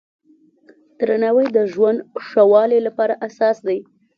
درناوی د ژوند ښه والي لپاره اساس دی.